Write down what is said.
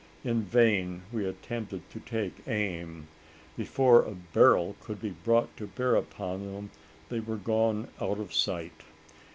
In vain we attempted to take aim; before a barrel could be brought to bear upon them, they were gone out of sight.